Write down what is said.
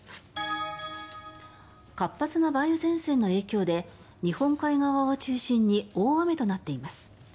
活発な梅雨前線の影響で日本海側を中心に大雨となっています。